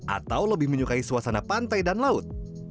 atau lebih menyukai suasana pantai dan laut